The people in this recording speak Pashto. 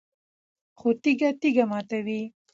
خو تیږه تیږه ماتوي